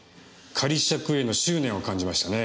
仮釈への執念を感じましたね。